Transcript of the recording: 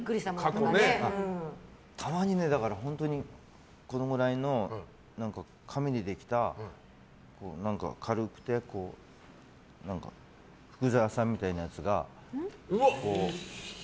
たまにこのぐらいの紙でできた何か、軽くて福沢さんみたいなやつが。